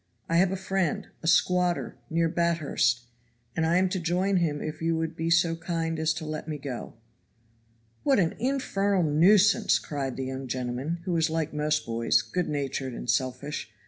I have a friend, a squatter, near Bathurst, and I am to join him if you will be so kind as to let me go." "What an infernal nuisance!" cried the young gentleman, who was like most boys, good natured and selfish.